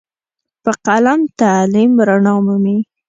په قلم تعلیم رڼا مومي.